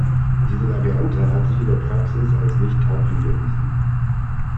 Diese Variante hat sich in der Praxis als nicht tauglich erwiesen.